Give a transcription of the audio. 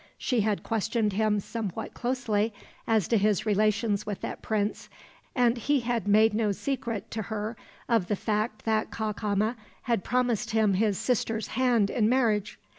She had questioned him somewhat closely as to his relations with that prince; and he had made no secret to her of the fact that Cacama had promised him his sister's hand in marriage.